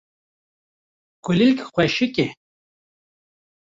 Kulîlk xweşik e